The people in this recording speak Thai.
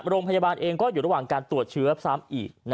โรงพยาบาลเองก็อยู่ระหว่างการตรวจเชื้อซ้ำอีก